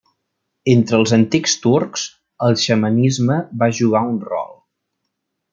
Entre els antics turcs el xamanisme va jugar un rol.